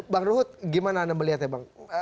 bang ruhut gimana anda melihat ya bang